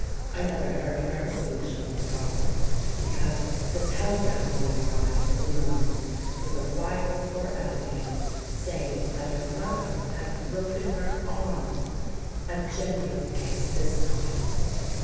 I never heard her solution of the problem, because the telegram boy arrived at the moment, with a wire for Abigail, saying that her mother had broken her arm (a genuine case this time!).